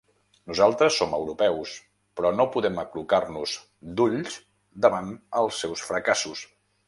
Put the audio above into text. Nosaltres som europeus, però no podem aclucar-nos d’ulls davant els seus fracassos.